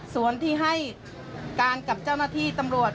ส่วนที่ให้การกับเจ้าหน้าที่ตำรวจ